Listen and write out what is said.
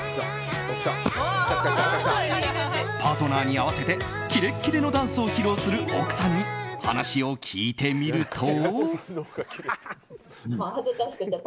「Ｐａｒｔｎｅｒ」に合わせてキレッキレのダンスを披露する奥さんに話を聞いてみると。